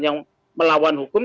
yang melawan hukum